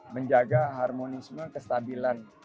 menjaga harmonisme kestabilan